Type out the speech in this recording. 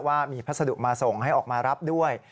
ว่ามีพัสดุมาส่งให้ออกมารับด้วย